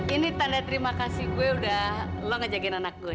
ini tanda terima kasih gue udah lo ngajakin anak gue